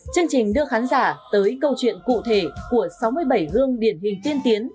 chương trình đưa khán giả tới câu chuyện cụ thể của sáu mươi bảy gương điển hình tiên tiến